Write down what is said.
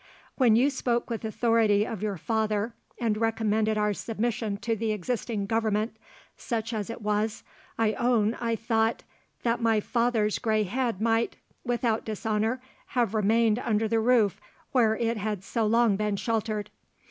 "When you spoke with authority of your father, and recommended our submission to the existing government, such as it was, I own I thought—that my father's grey head might, without dishonour, have remained under the roof where it had so long been sheltered.